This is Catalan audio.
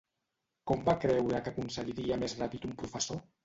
Com va creure que aconseguiria més ràpid un professor?